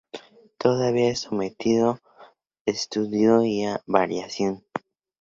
Todavía es sometido estudio y a variación.